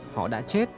họ đã chết